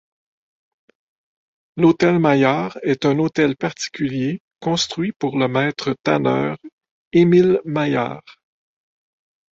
L'hôtel Maillard est un hôtel particulier construit pour le maître tanneur Émile Maillard.